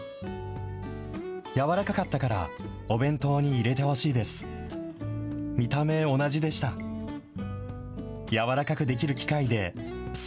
軟らかかったからお弁当に入れてほしいです。